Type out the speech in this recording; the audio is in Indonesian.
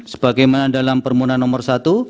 sebagaimana dalam permohonan nomor satu